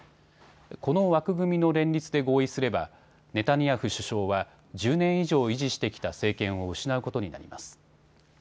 この枠組みの連立で合意すればネタニヤフ首相は１０年以上維持してきた政権を失うことになります。